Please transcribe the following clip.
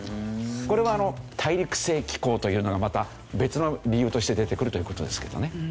これは大陸性気候というのがまた別の理由として出てくるという事ですけどね。